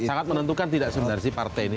sangat menentukan tidak sebenarnya sih partai itu